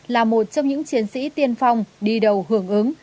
là một trong những chiến sĩ tiên phong đi đầu hưởng ứng